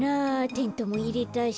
テントもいれたし。